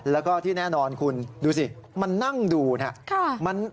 แล้วก็ที่แน่นอนคุณดูสิมานั่งดูนะครับ